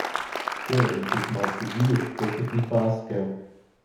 Quei ei in tec malsegir, quei che ti fas cheu.